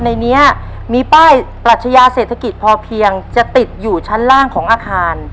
ในนี้มีป้ายปรัชญาเศรษฐกิจพอเพียงจะติดอยู่ชั้นล่างของอาคาร